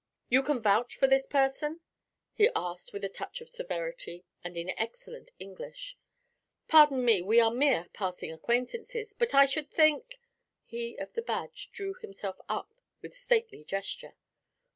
'You can vouch for this person?' he asked with a touch of severity, and in excellent English. 'Pardon me; we are mere passing acquaintances, but I should think ' He of the badge drew himself up with a stately gesture.